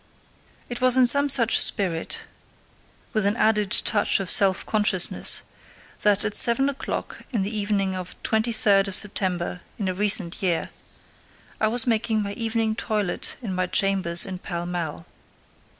It was in some such spirit, with an added touch of self consciousness, that, at seven o'clock in the evening of September 23 in a recent year, I was making my evening toilet in my chambers in Pall Mall.